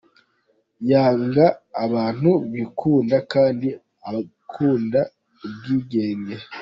Yanga abantu bikunda kandi agakunda n’ubwigenge.